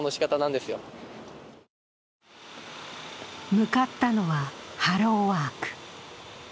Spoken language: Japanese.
向かったのはハローワーク。